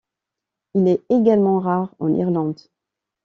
Il est également rare en Irlande.